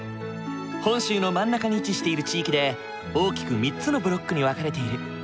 本州の真ん中に位置している地域で大きく３つのブロックに分かれている。